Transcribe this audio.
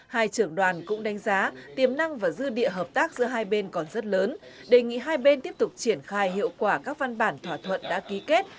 hai trưởng đoàn cũng đánh giá tiềm năng và dư địa hợp tác giữa hai bên còn rất lớn đề nghị hai bên tiếp tục triển khai hiệu quả các văn bản thỏa thuận đã ký kết